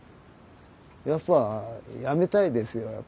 やっぱやめたいですよ